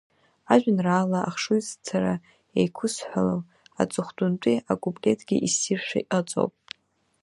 Ажәеинраала ахшыҩзцара еиқәызҳәало аҵыхәтәантәи акуплетгьы иссиршәа иҟаҵоуп.